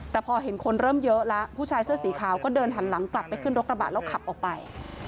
แต่พอเห็นคนเริ่มเยอะแล้วผู้ชายเสื้อสีขาวก็เดินหันหลังกลับไปขึ้นรถกระบะแล้วขับออกไป